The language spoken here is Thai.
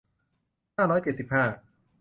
ห้าร้อยเจ็ดสิบห้า